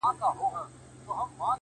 حقيقت لا هم مبهم پاتې دی-